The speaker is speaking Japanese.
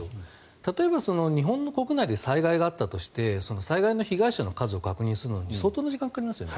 例えば日本の国内で災害があったとして災害の被害者の数を確認するのに相当な時間がかかりますよね。